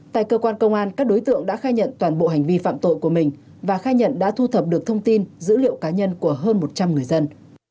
tại cơ quan công an các đối tượng đã khai nhận toàn bộ hành vi phạm tội của mình và khai nhận đã thu thập được thông tin dữ liệu cá nhân của hơn một trăm linh người dân